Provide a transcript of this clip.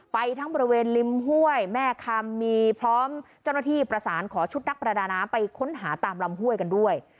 ไปทั้งบริเวณริมห้วยแม่คำมีพร้อมเจ้าหน้าที่ประสานขอชุดนักประดาน้ำไปค้นหาตามลำห้วยกันด้วย